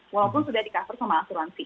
walaupun sudah di cover sama asuransi